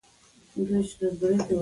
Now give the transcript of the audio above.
یوازې د موضوع د پیدا کېدلو په وخت کې.